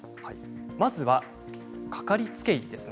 まずは掛かりつけ医ですね。